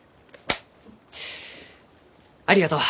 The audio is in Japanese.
ありがとう。